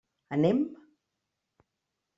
Anem?